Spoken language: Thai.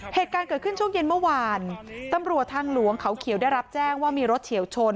เหตุการณ์เกิดขึ้นช่วงเย็นเมื่อวานตำรวจทางหลวงเขาเขียวได้รับแจ้งว่ามีรถเฉียวชน